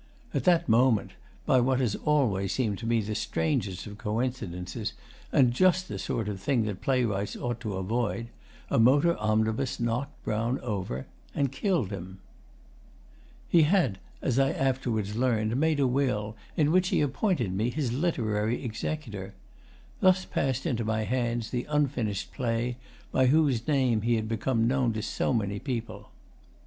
At that moment, by what has always seemed to me the strangest of coincidences, and just the sort of thing that playwrights ought to avoid, a motor omnibus knocked Brown over and killed him. He had, as I afterwards learned, made a will in which he appointed me his literary executor. Thus passed into my hands the unfinished play by whose name he had become known to so many people.